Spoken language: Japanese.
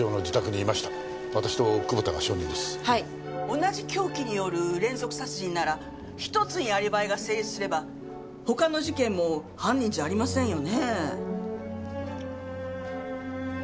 同じ凶器による連続殺人なら１つにアリバイが成立すれば他の事件も犯人じゃありませんよね。